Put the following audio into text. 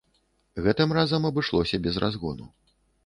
Гэтым разам абышлося без разгону.